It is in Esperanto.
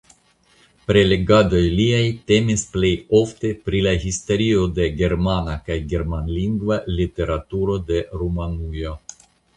Prelegadoj liaj temis plejofte pri la historio de germana kaj germanlingva literaturo de Rumanujo.